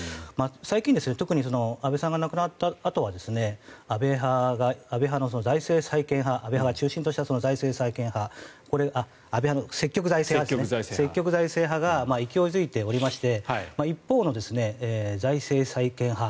最近、特に安倍さんが亡くなったあとは安倍派を中心とした積極財政派が勢い付いておりまして一方の財政再建派